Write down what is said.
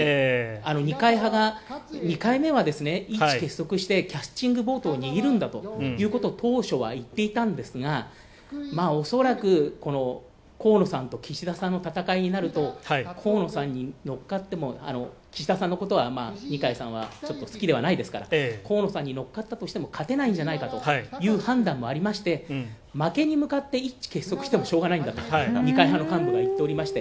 二階派が２回目は一致結束して、キャスティングボードを握るんだということを当初は言っていたんですがおそらく、河野さんと岸田さんの戦いになると河野さんに乗っかっても岸田さんのことは、二階さんはちょっと好きではないですから、河野さんに乗っかったとしても勝てないんじゃないかという判断もありまして負けに向かって一致結束してもしょうがないんだと二階派の幹部が言っておりまして。